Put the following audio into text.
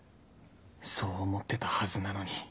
そう思ってたはずなのに